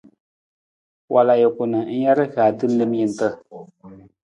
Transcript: Wal ajuku ta na ng ja rihaata lem jantna.